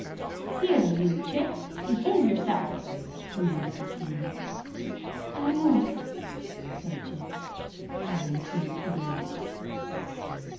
"Here, you Chick; behave yourself," commanded the kinglet. "I won't," said Chick, pouting two pretty lips.